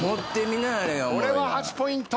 これは８ポイント。